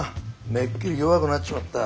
めっきり弱くなっちまった。